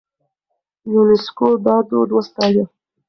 يونيسکو دا دود وستايه.